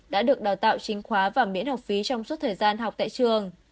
đã được đào tạo chính khóa và miễn học phí trong suốt thời gian học tại trường